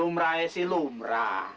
lumrah ya sih lumrah